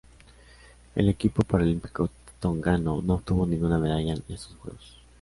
El equipo paralímpico tongano no obtuvo ninguna medalla en estos Juegos.